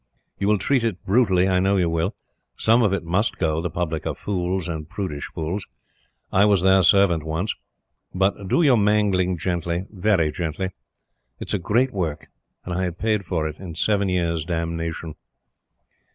You will treat it brutally, I know you will. Some of it must go; the public are fools and prudish fools. I was their servant once. But do your mangling gently very gently. It is a great work, and I have paid for it in seven years' damnation."